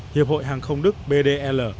hiệp hội hàng không đức bdl